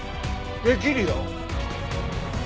できるよ。